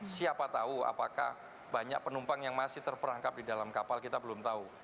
siapa tahu apakah banyak penumpang yang masih terperangkap di dalam kapal kita belum tahu